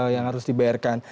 yang harus dibayarkan